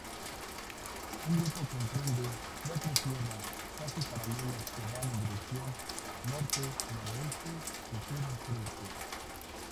El grupo comprende cuatro sierras casi paralelas que van en dirección norte-noroeste y sur-sureste.